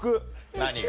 何が？